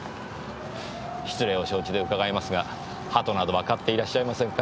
失礼を承知で伺いますが鳩などは飼っていらっしゃいませんか？